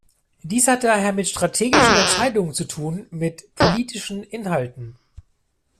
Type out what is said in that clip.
Dies hat daher mit strategischen Entscheidungen zu tun, mit politischen Inhalten.